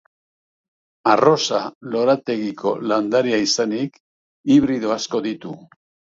Arrosa lorategiko landarea izanik, hibrido asko ditu.